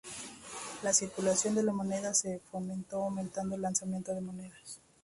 La circulación de la moneda se fomentó aumentando el lanzamiento de monedas.